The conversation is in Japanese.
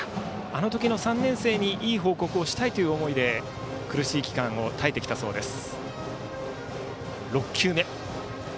あの時の３年生にいい報告をしたいという思いで苦しい期間を耐えてきたそうです。